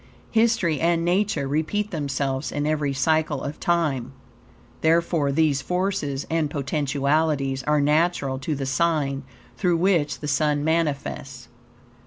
History and Nature repeat themselves in every cycle of time; therefore these forces and potentialities are natural to the sign through which the Sun manifests.